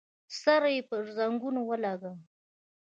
سر يې پر زنګنو ولګاوه.